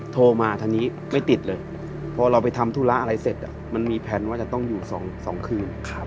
โทรมาทางนี้ไม่ติดเลยพอเราไปทำธุระอะไรเสร็จมันมีแพลนว่าจะต้องอยู่๒คืน